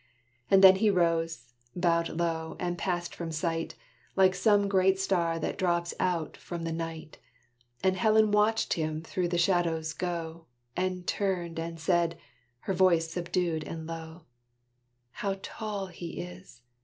And then he rose, bowed low, and passed from sight, Like some great star that drops out from the night; And Helen watched him through the shadows go, And turned and said, her voice subdued and low, "How tall he is!